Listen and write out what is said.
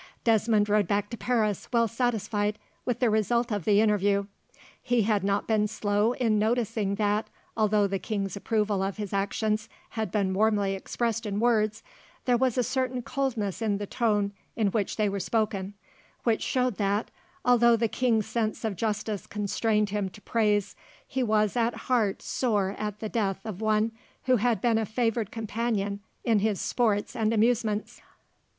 Desmond rode back to Paris well satisfied with the result of the interview. He had not been slow in noticing that, although the king's approval of his actions had been warmly expressed in words, there was a certain coldness in the tone in which they were spoken, which showed that, although the king's sense of justice constrained him to praise, he was at heart sore at the death of one who had been a favoured companion in his sports and amusements.